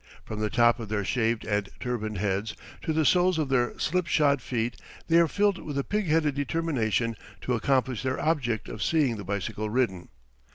From the top of their shaved and turbaned heads to the soles of their slip shod feet they are filled with a pig headed determination to accomplish their object of seeing the bicycle ridden.